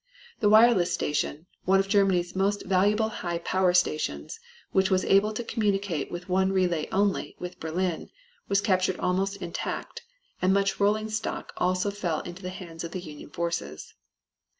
The wireless station one of Germany's most valuable high power stations, which was able to communicate with one relay only, with Berlin was captured almost intact, and much rolling stock also fell into the hands of the Union forces.